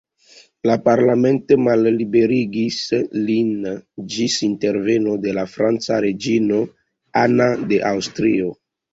La Parlamento malliberigis lin ĝis interveno de la franca reĝino Anna de Aŭstrio.